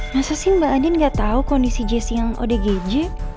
masa sih mbak adin gak tahu kondisi jessi yang odgj